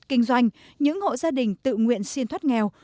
kinh doanh những hộ gia đình tự nguyện xin thoát nghèo